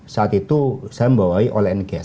saat itu saya membawai oleh and gas